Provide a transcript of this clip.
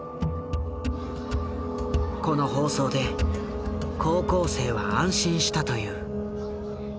この放送で高校生は安心したという。